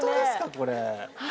これ。